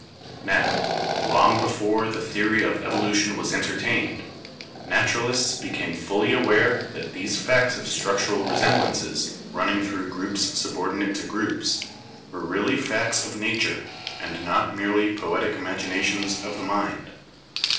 Now, long before the theory of evolution was entertained, nat uralists became fully aware that these facts of structural resemblances running through groups subordinate to groups were really facts of nature and not merely poetic imaginations of the mind.